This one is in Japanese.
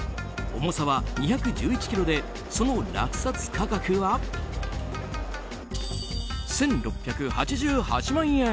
重さは２１１ｋｇでその落札価格は１６８８万円。